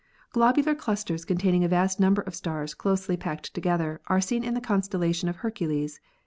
Globular clusters containing a vast number of stars closely packed together are seen in the constellation of Hercules.